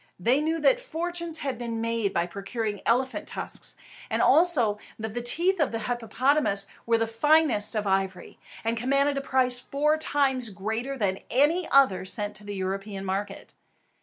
They knew that fortunes had been made in procuring elephants' tusks, and also that the teeth of the hippopotamus were the finest of ivory, and commanded a price four times greater than any other sent to the European market.